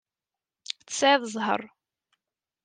Tesɛiḍ zzheṛ.